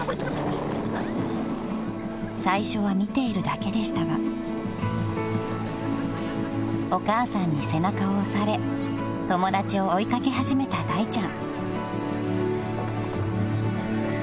［最初は見ているだけでしたがお母さんに背中を押され友達を追い掛け始めただいちゃん］